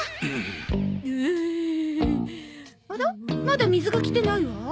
まだ水が来てないわ。